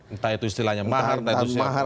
entah itu istilahnya mahar atau tidak